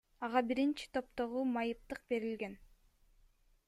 Ага биринчи топтогу майыптык берилген.